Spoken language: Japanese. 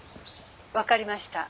☎分かりました。